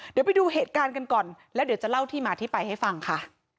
เดี๋ยวไปดูเหตุการณ์กันก่อนแล้วเดี๋ยวจะเล่าที่มาที่ไปให้ฟังค่ะ